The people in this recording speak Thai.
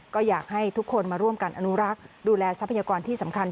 ก็อยากให้ทุกคนมาร่วมกันอนุรักษ์ดูแลทรัพยากรที่สำคัญ